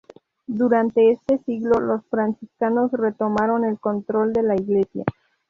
Durante este siglo los franciscanos retomaron el control de la iglesia.